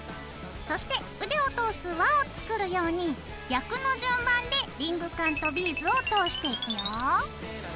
そして腕を通す輪を作るように逆の順番でリングカンとビーズを通していくよ。